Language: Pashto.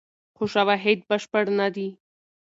خو شواهد بشپړ نه دي.